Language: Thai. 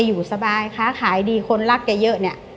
อยู่สบายค้าขายดีคนรักเยอะ